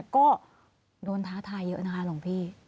ก็โดนท้าทายเยอะนะคะหลวงพี่